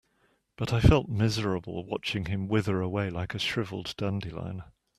But I felt miserable watching him wither away like a shriveled dandelion.